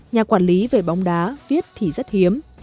nhà quản lý về bóng đá viết thì rất hiếm